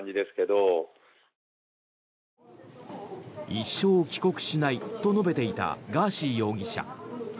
一生帰国しないと述べていたガーシー容疑者。